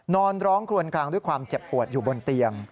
นอนร้องคลวนคลางด้วยความเจ็บปวดอยู่บนเตียง